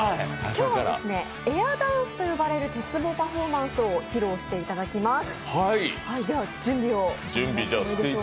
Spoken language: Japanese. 今日、エアダンスと呼ばれる鉄棒パフォーマンスを披露していただきます。